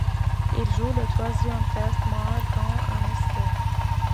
Il joue le troisième test, marquant un essai.